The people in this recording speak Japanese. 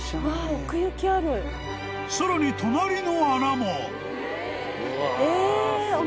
［さらに隣の穴も］